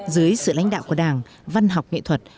dưới sự lãnh đạo của đảng văn học nghệ thuật